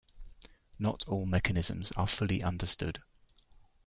Not all mechanisms are fully understood.